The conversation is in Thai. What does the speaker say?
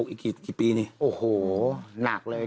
อีกกี่ปีนี่โอ้โหหนักเลย